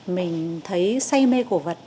mình thấy say mê cổ vật